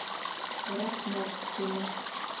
«рәхмәт» тине.